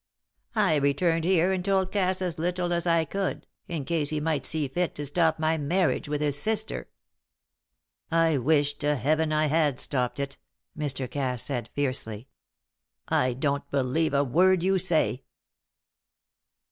I returned here and told Cass as little as I could, in case he might see fit to stop my marriage with his sister." "I wish to Heaven I had stopped it!" Mr. Cass said, fiercely. "I don't believe a word you say!"